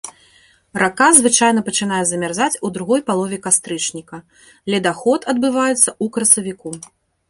Рака звычайна пачынае замярзаць у другой палове кастрычніка, ледаход адбываецца ў красавіку.